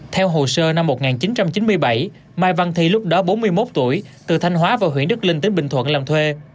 theo hồ sơ năm một nghìn chín trăm chín mươi bảy mai văn thi lúc đó bốn mươi một tuổi từ thanh hóa vào huyện đức linh tỉnh bình thuận làm thuê